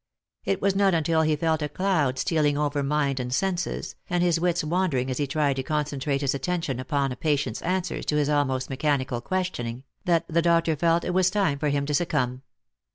It was not until he felt a cloud stealing over mind and senses, and his wits wandering as he tried to concen trate his attention upon a patient's answers to his almost mechanical questioning, that the doctor felt it was time for him to succumb.